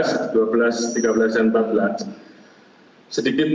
sedikit mengenai tembakan yang terjadi di situ